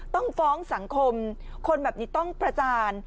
ต้องฟ้องสังคมคนแบบนี้ต้องประจาน